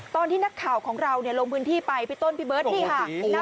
ตอนที่นักข่าวของเราลงพื้นที่ไปพี่ต้นพี่เบิร์ตนี่ค่ะ